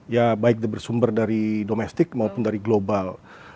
ya baik bersumber dari domestik maupun dari global